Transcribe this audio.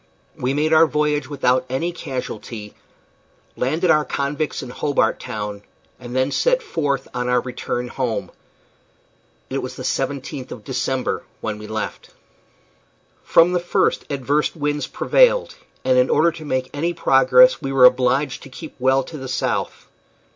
We made our voyage without any casualty, landed our convicts in Hobart Town, and then set forth on our return home. It was the 17th of December when we left. From the first adverse winds prevailed, and in order to make any progress we were obliged to keep well to the south.